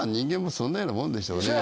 そんなようなもんでしょうね。